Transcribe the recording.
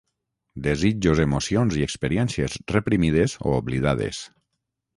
desitjos emocions i experiències reprimides o oblidades